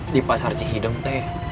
di pasar cihideng teh